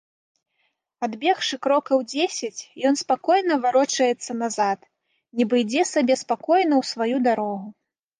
Адбегшы крокаў дзесяць, ён спакойна варочаецца назад, нібы ідзе сабе спакойна ў сваю дарогу.